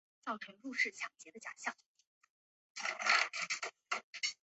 豪尔赫还持有法国护照。